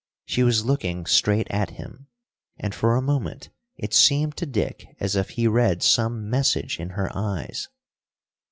She was looking straight at him, and for a moment it seemed to Dick as if he read some message in her eyes.